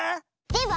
では